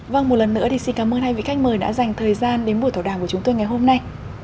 vâng một lần nữa thì xin cảm ơn hai vị khách mời đã dành thời gian đến buổi thảo đàm của chúng tôi ngày hôm nay